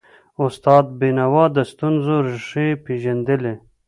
استاد بینوا د ستونزو ریښې پېژندلي.